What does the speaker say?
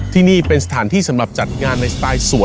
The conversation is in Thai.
ที่นี่เป็นสถานที่สำหรับจัดงานในสไตล์สวย